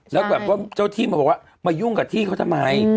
แล้วแบบว่าเจ้าที่มาบอกว่ามายุ่งกับที่เขาทำไม